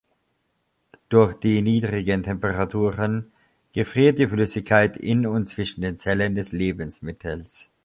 Durch die niedrigen Temperaturen gefriert die Flüssigkeit in und zwischen den Zellen des Lebensmittels.